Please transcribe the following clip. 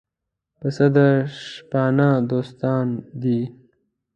پسه د شپانه دوستان دي.